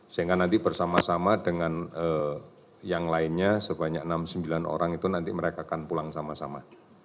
sehingga nanti bersama sama dengan yang lainnya sebanyak enam puluh sembilan orang itu nanti mereka akan pulang sama sama